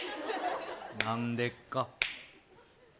何でっか？